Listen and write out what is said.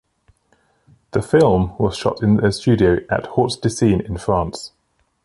The film was shot in a studio at Hauts-de-Seine in France.